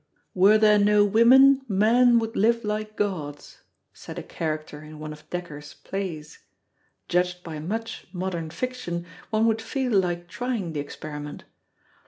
"Were there no women, men would live like gods," said a character in one of Dekker's plays; judged by much modern fiction, one would feel like trying the experiment.